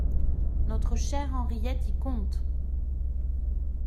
Notre chère Henriette y compte.